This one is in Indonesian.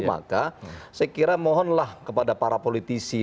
maka saya kira mohonlah kepada para politisi